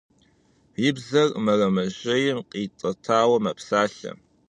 И бзэр мэрэмэжьейм къитӀэтауэ мэпсалъэ.